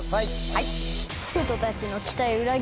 はい。